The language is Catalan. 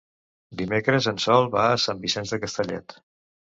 Dimecres en Sol va a Sant Vicenç de Castellet.